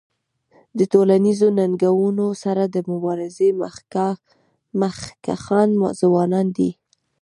د ټولنیزو ننګونو سره د مبارزې مخکښان ځوانان دي.